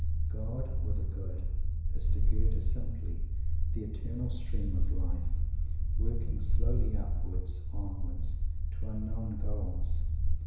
"God," or "the Good," is to Goethe simply the eternal stream of life, working slowly upwards, onwards, to unknown goals.